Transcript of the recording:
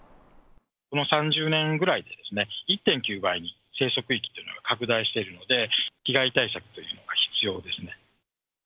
この３０年ぐらいで、１．９倍に生息域というのが拡大しているので、被害対策というのが必要ですね。